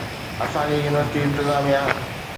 اسان جي يونيورسٽي انتظاميه